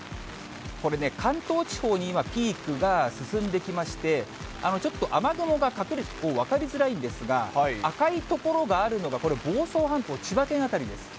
これね、関東地方に今、ピークが進んできまして、ちょっと雨雲が隠れて分かりづらいんですが、赤い所があるのが、これ、房総半島、千葉県辺りです。